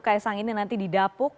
kay sang ini nanti didapuk